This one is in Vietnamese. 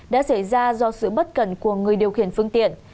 đã xảy ra do sự bất cẩn của người điều khiển phương tiện